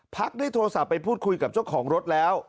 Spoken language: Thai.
พักได้โทรศัพท์ไปพูดคุยกับเจ้าของรถแล้ว